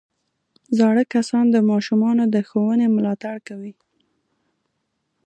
زاړه کسان د ماشومانو د ښوونې ملاتړ کوي